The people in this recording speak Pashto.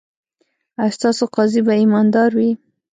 ایا ستاسو قاضي به ایماندار وي؟